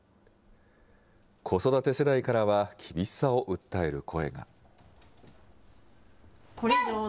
子育て世代からは厳しさを訴える声が。